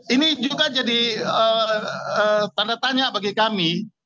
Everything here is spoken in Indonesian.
ini juga jadi tanda tanya bagi kami